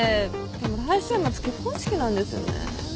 でも来週末結婚式なんですよねえ。